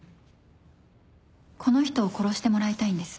この人を殺してもらいたいんです